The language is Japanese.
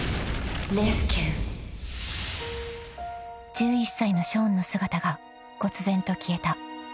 ［１１歳のショーンの姿がこつぜんと消えた］